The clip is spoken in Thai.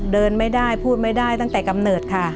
เดินไม่ได้พูดไม่ได้ตั้งแต่กำเนิดค่ะ